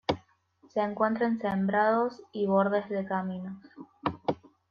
Se encuentra en sembrados y bordes de caminos.